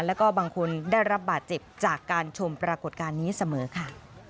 แล้วก็บางคนได้รับบาดเจ็บจากการชมปรากฏการณ์นี้เสมอค่ะ